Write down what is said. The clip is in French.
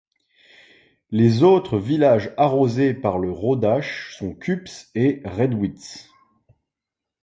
Les autres villages arrosés par le Rodach sont Küps et Redwitz.